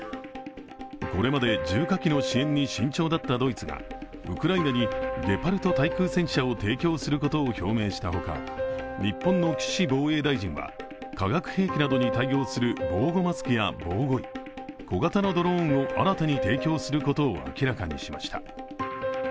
これまで重火器の支援に慎重だったドイツがウクライナにゲパルト対空戦車を提供することを表明したほか、日本の岸防衛大臣は化学兵器などに対応する防護マスクや防護衣小型のドローンを新たに提供することを明らかにしました。